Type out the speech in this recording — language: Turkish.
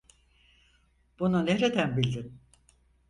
Bunu nereden bildin?